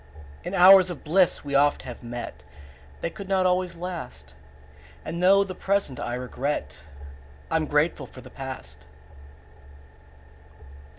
In hours of bliss we oft have met: 5 They could not always last; And though the present I regret, I'm grateful for the past.